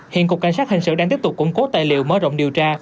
hiện cục cảnh sát hình sự đang tiếp tục củng cố tài liệu mở rộng điều tra